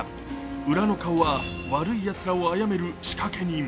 裏の顔は、悪い奴らをあやめる仕掛人。